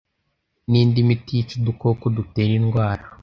n’indi miti yica udukoko dutera indwara